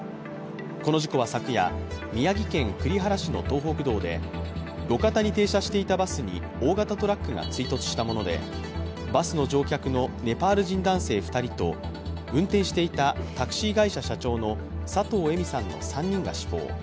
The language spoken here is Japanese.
この事故は昨夜、宮城県栗原市の東北道で、路肩に停車していたバスに大型トラックが追突したものでバスの乗客のネパール人男性２人と運転していたタクシー会社社長の佐藤恵美さんの３人が死亡。